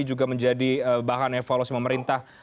juga menjadi bahan evaluasi pemerintah